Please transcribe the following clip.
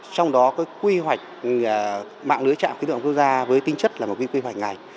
trong đó cái quy hoạch mạng lưới trạm khí tượng quốc gia với tinh chất là một quy hoạch ngành